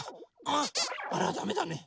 あらダメだね。